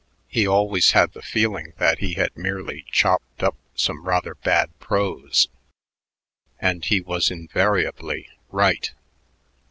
He always had the feeling that he had merely chopped up some rather bad prose; and he was invariably right.